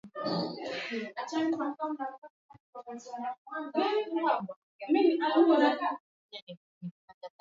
Vikosi vya Marekani vilivyopewa jukumu la kukabiliana na kundi la kigaidi la al Shabab havitalazimika tena kusafiri hadi Somalia